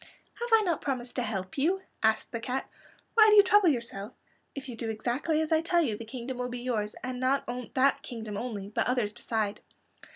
"Have I not promised to help you?" asked the cat. "Why do you trouble yourself? If you do exactly as I tell you the kingdom will be yours; and not that kingdom only, but others beside."